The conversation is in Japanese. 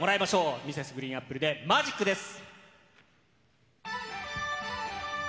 Ｍｒｓ．ＧＲＥＥＮＡＰＰＬＥで、Ｍａｇｉｃです。